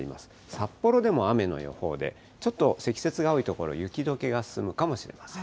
札幌でも雨の予報で、ちょっと積雪が多い所、雪どけが進むかもしれません。